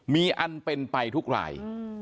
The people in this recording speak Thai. มีอันเป็นไปทุกราย